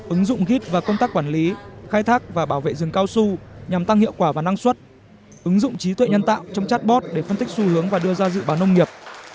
ứng dụng ghiết và công tác quản lý khai thác và bảo vệ rừng cao su nhằm tăng hiệu quả và năng suất ứng dụng trí tuệ nhân tạo trong chatbot để phân tích xu hướng và đưa ra dự báo nông nghiệp